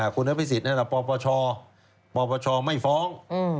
คุณนพิสิทธิ์นั่นปรปชปรปชไม่ฟ้อง